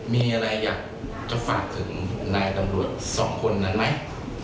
มีอะไรอยากจะฝากถึงนายตำรวจสองคนนั้นไหม